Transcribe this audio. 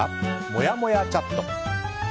もやもやチャット。